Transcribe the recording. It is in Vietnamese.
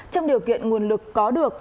trong điều kiện nguồn lực có được